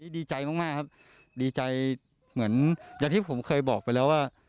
ดีใจมากครับเดี๋ยวที่ผมเคยบอกไปแล้วว่า